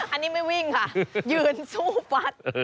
อันนี้ไม่วิ่งค่ะยืนสู้ฟัด